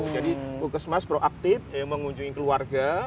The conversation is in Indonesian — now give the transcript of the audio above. jadi puskesmas proaktif mengunjungi keluarga